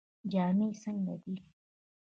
جامې یې څنګه دي؟